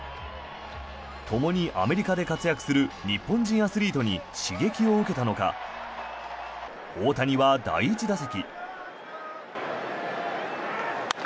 ともにアメリカで活躍する日本人アスリートに刺激を受けたのか大谷は第１打席。